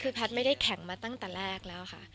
คือแพทย์ไม่ได้แข่งมาตั้งแต่แรกแล้วค่ะ